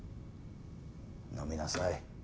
飲みなさい。